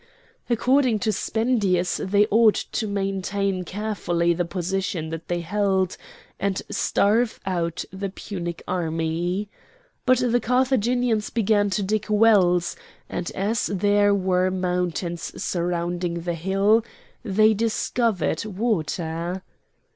According to Spendius they ought to maintain carefully the position that they held, and starve out the Punic army. But the Carthaginians began to dig wells, and as there were mountains surrounding the hill, they discovered water.